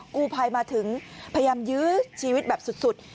กู้ภัยมาถึงพยายามยื้อชีวิตแบบสุด